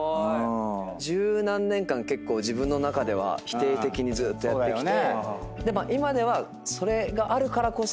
十何年間結構自分の中では否定的にずーっとやってきて。